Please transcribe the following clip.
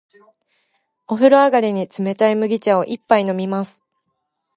お風呂上がりに、冷たい麦茶を一杯飲みます。